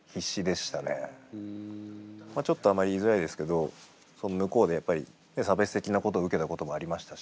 まあちょっとあんまり言いづらいですけど向こうでやっぱり差別的なことを受けたこともありましたし。